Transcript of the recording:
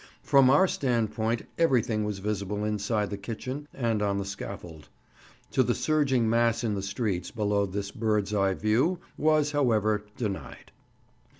From our standpoint everything was visible inside the kitchen and on the scaffold; to the surging mass in the streets below this bird's eye view was, however, denied.